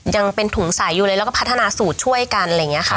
ยังเป็นถุงใสอยู่เลยแล้วก็พัฒนาสูตรช่วยกันอะไรอย่างนี้ค่ะ